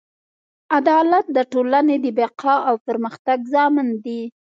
عدالت د ټولنې د بقا او پرمختګ ضامن دی.